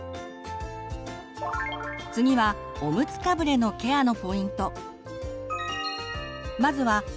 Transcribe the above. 次はおむつかぶれのケアのポイント。